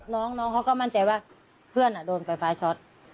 น้องเขาก็มั่นใจว่าเพื่อนโดนไฟฟ้าช็อต